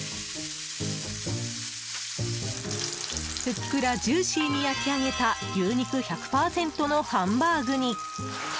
ふっくらジューシーに焼き上げた牛肉１００％のハンバーグに。